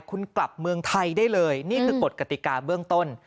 คุณกลับเมืองไทยได้เลยนี่คือกฎกติกาเบื้องต้น